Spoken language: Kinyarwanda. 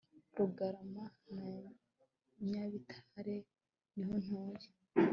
rugarama na nyabitare niho ntuye